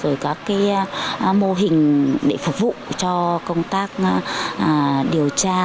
rồi các mô hình để phục vụ cho công tác điều tra